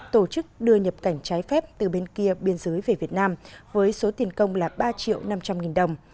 tổ chức đưa nhập cảnh trái phép từ bên kia biên giới về việt nam với số tiền công là ba triệu năm trăm linh nghìn đồng